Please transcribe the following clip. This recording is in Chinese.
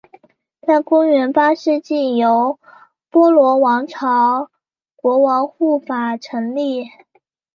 在公元八世纪由波罗王朝国王护法成立。